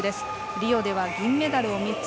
リオでは銀メダルを３つ。